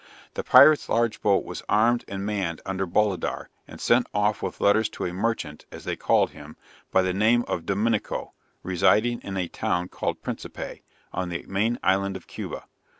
The pirate's large boat was armed and manned under Bolidar, and sent off with letters to a merchant (as they called him) by the name of Dominico, residing in a town called Principe, on the main island of Cuba.